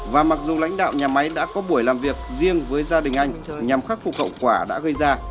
và mặc dù lãnh đạo nhà máy đã có buổi làm việc riêng với gia đình anh nhằm khắc phục hậu quả đã gây ra